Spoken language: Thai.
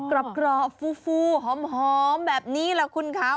กรอบฟูหอมแบบนี้แหละคุณคะ